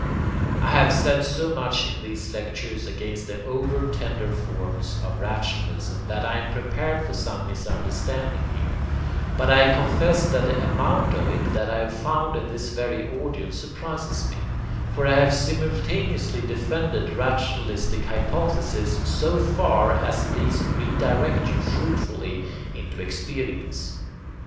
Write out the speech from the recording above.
I have said so much in these lectures against the over tender forms of rationalism, that I am prepared for some misunderstanding here, but I confess that the amount of it that I have found in this very audience surprises me, for I have simultaneously defended rationalistic hypotheses so far as these re direct you fruitfully into experience.